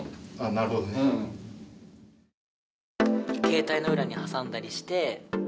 携帯の裏に挟んだりして。